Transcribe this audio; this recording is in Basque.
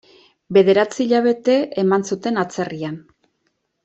Bederatzi hilabete eman zuten atzerrian.